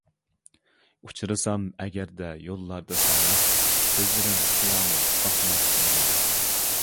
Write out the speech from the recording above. ئۇچرىسام ئەگەردە يوللاردا ساڭا، كۆزلىرىڭ قىيامۇ باقماس ماڭا ھەم.